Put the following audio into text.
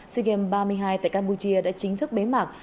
sea games ba mươi hai tại campuchia đã chính thức bế mạc